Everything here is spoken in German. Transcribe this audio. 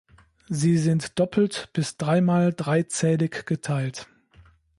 Sie sind doppelt bis dreimal dreizählig geteilt.